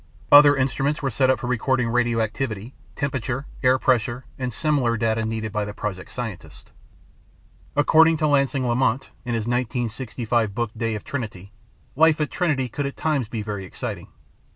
Other instruments were set up for recording radioactivity, temperature, air pressure, and similar data needed by the project scientists. According to Lansing Lamont in his 1965 book Day of Trinity, life at Trinity could at times be very exciting.